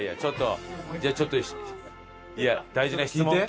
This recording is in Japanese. じゃあちょっと大事な質問聞いてよ。